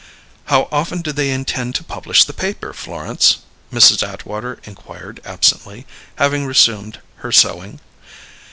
"How often do they intend to publish their paper, Florence?" Mrs. Atwater inquired absently, having resumed her sewing.